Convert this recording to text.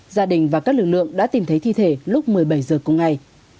gia đình và các lực lượng đã tìm thấy thi thể lúc một mươi bảy h cùng ngày